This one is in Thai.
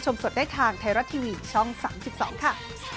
ช่อง๓๒ค่ะ